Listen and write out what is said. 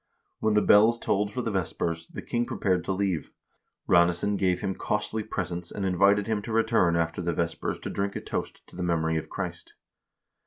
When the bells tolled for the vespers, the king prepared to leave. Ranesson gave him costly presents and invited him to return after the vespers to drink a toast to the memory of Christ.